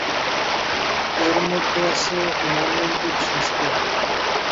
এর মধ্যে আছে মর্মন্তুদ শাস্তি।